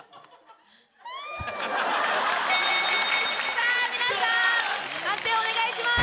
さぁ皆さん判定をお願いします。